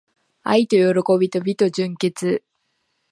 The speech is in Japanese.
愛と喜びと美と純潔